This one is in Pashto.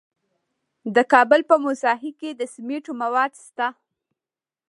د کابل په موسهي کې د سمنټو مواد شته.